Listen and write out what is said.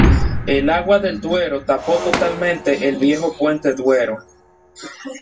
El agua del Duero tapó totalmente el viejo Puente Duero.